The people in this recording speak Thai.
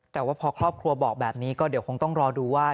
แต่ว่าพอครอบครัวบอกแบบนี้ก็เดี๋ยวคงต้องรอดูว่า